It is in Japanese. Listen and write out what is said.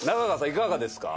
いかがですか？